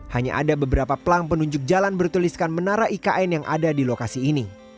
hanya ada beberapa pelang penunjuk jalan bertuliskan menara ikn yang ada di lokasi ini